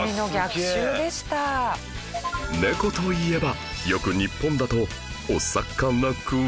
猫といえばよく日本だと